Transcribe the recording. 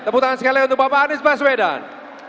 tepuk tangan sekali untuk bapak anies baswedan